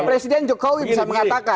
presiden jokowi bisa mengatakan